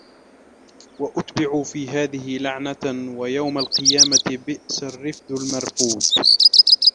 وَأُتْبِعُوا فِي هَذِهِ لَعْنَةً وَيَوْمَ الْقِيَامَةِ بِئْسَ الرِّفْدُ الْمَرْفُودُ